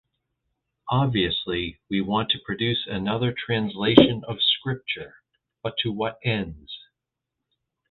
Obviously we want to produce another translation of Scripture – but to what ends?